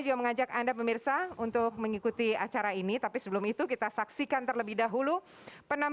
jangan lupa untuk berikan duit kepada tuhan